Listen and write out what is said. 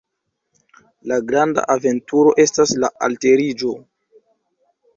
La granda aventuro estas la alteriĝo.